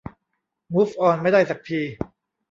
มูฟออนไม่ได้สักที